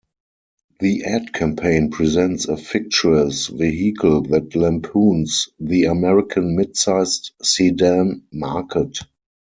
The ad campaign presents a fictitious vehicle that lampoons the American mid-sized sedan market.